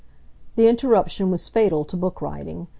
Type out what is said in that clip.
The interruption was fatal to book writing.